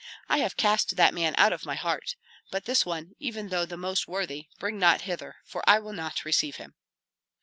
I have cast that man out of my heart; but this one, even though the most worthy, bring not hither, for I will not receive him."